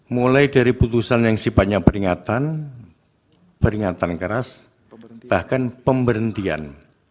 mulai dari putusan yang sifatnya peringatan peringatan keras bahkan pemberhentian